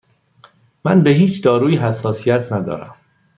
من به هیچ دارویی حساسیت ندارم.